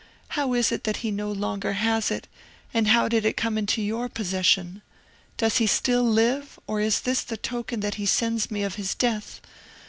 How is it that he no longer has it, and how did it come into your possession? Does he still live, or is this the token that he sends me of his death?